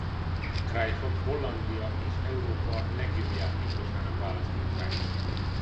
Cruijffot Hollandia és Európa legjobb játékosának választották.